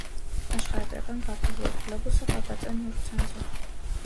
Աշխարհագրական քարտեզը և գլոբուսը, պատած են նուրբ ցանցով։